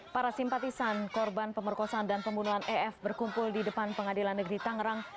para simpatisan korban pemerkosaan dan pembunuhan ef berkumpul di depan pengadilan negeri tangerang